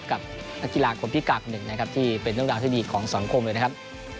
กับนักกีฬาคนพิการหนึ่งนะครับที่เป็นเรื่องราวที่ดีของสังคมเลยนะครับ